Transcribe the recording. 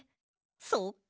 そっか。